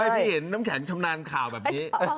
พี่เห็นน้ำแข็งชำนาญข่าวแบบนี้